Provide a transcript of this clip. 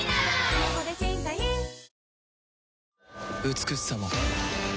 美しさも